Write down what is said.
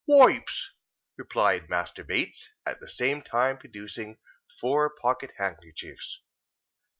"Wipes," replied Master Bates; at the same time producing four pocket handkerchiefs.